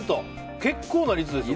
結構な率ですよ。